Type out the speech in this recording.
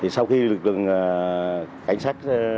sau khi lực lượng cảnh sát